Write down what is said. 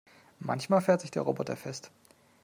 Manchmal fährt sich der Roboter fest.